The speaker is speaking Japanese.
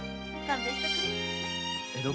勘弁しておくれ。